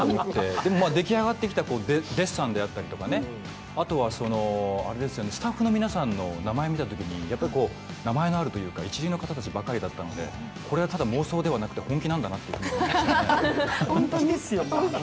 でも、出来上がってきたデッサンであったり、あとはスタッフの皆さんの名前見たときに、名前のあるというか、一流の方たちばっかりだったので、これはただ妄想ではなくて本気なんだなと思いましたね。